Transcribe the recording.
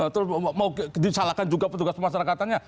terus mau disalahkan juga petugas pemasarakatannya